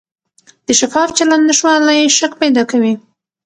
د شفاف چلند نشتوالی شک پیدا کوي